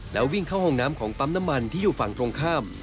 แล้ววิ่งเข้าห้องน้ำของปั๊มน้ำมันที่อยู่ฝั่งตรงข้าม